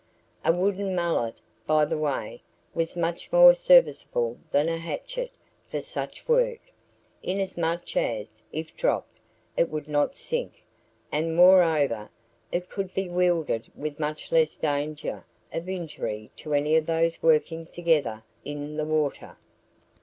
A wooden mallet, by the way, was much more serviceable than a hatchet for such work, inasmuch as, if dropped, it would not sink, and moreover, it could be wielded with much less danger of injury to any of those working together in the water.